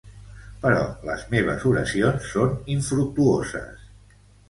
Però les meves oracions són infructuoses.